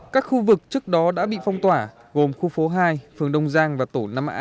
các khu vực trước đó đã bị phong tỏa gồm khu phố hai phường đông giang và tổ năm a